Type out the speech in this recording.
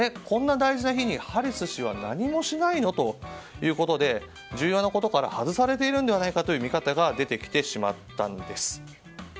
こんな大事の日にハリス氏は何もしないのということで重要なことから外されているのではないかという見方が出てきてしまったんです。